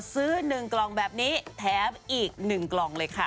ซื้อ๑กล่องแบบนี้แถมอีก๑กล่องเลยค่ะ